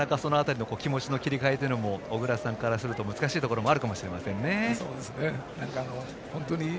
その辺りの気持ちの切り替えも小倉さんからすると難しいところもあるかもしれませんね。